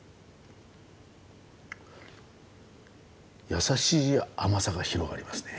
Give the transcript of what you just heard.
やさしい甘さが広がりますね。